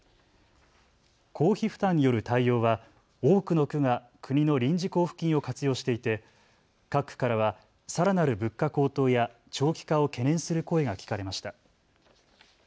公費負担による対応は多くの区が国の臨時交付金を活用していて、各区からはさらなる物価高騰や長期化を懸念する声が聞かれました。